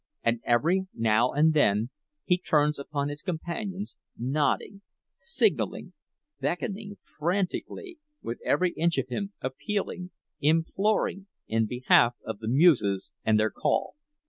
And every now and then he turns upon his companions, nodding, signaling, beckoning frantically—with every inch of him appealing, imploring, in behalf of the muses and their call.